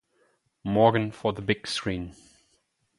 Morgan for the big screen.